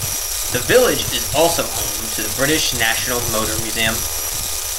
The village is also home to the British National Motor Museum.